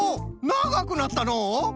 ながくなったのう。